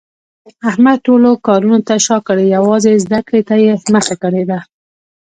احمد ټولو کارونو ته شاکړې یووازې زده کړې ته یې مخه کړې ده.